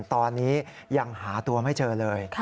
ตอนนี้ยังหาตัวไม่เจอเลย